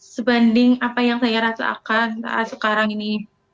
sebanding apa yang saya rasakan sekarang ini